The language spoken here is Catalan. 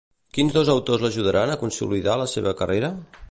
Quins dos autors l'ajudaren a consolidar la seva carrera?